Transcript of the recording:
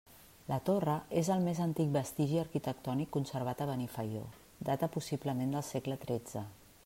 La torre és el més antic vestigi arquitectònic conservat a Benifaió, data possiblement del segle tretze.